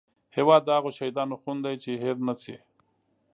هیواد د هغو شهیدانو خون دی چې هېر نه شي